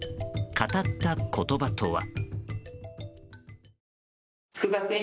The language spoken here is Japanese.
語った言葉とは。